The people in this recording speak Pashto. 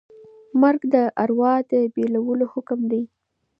مرګ د ارواح د بېلولو حکم دی.